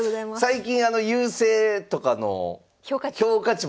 最近優勢とかの評価値。